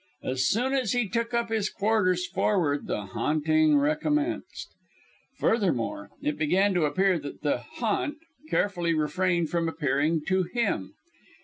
As soon as he took up his quarters forward the haunting recommenced. Furthermore, it began to appear that the "ha'nt" carefully refrained from appearing to him.